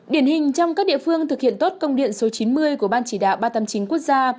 điển hình trong các địa phương thực hiện tốt công điện số chín mươi của ban chỉ đạo ba giang tính quốc gia